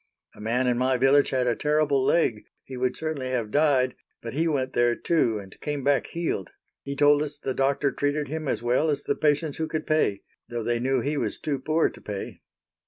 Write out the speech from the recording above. A man in my village had a terrible leg, he would certainly have died, but he went there too and came back healed. He told us the doctor treated him as well as the patients who could pay, though they knew he was too poor to pay."